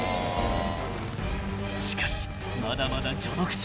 ［しかしまだまだ序の口］